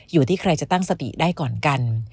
อยู่ที่ใครจะตั้งสติได้ก่อนกัน